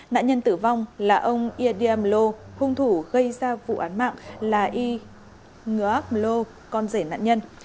nạn nhân tử vong là ông yediam lo hung thủ gây ra vụ án mạng là y ngọc lo con rể nạn nhân